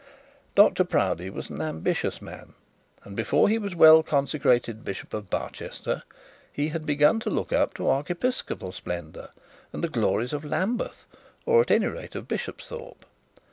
Dr Proudie was an ambitious man, and before he was well consecrated Bishop of Barchester, he had begun to look up to archepiscopal splendour, and the glories of Lambeth, or at any rate of Bishopsthorpe.